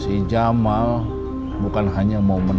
setelah kita berubah ilkripadanya werd adjustments